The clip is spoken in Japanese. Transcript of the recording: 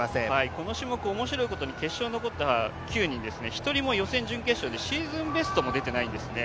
この種目面白いことに決勝に残った９人、１人も予選、準決勝でシーズンベストも出てないんですね。